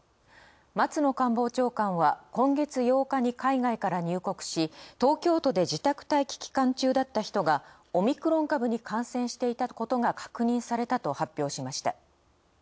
松野官房長官は、今月８日に海外から入国し自宅待機期間中だった人がオミクロン株に感染していたことが確認されたと発表しました。